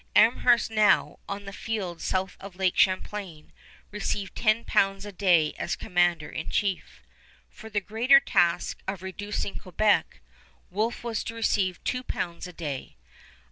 Amherst now, on the field south of Lake Champlain, received 10 pounds a day as commander in chief. For the greater task of reducing Quebec, Wolfe was to receive 2 pounds a day.